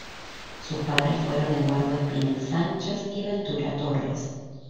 Sus padres fueron Eduardo Espinel Sánchez y Ventura Torres.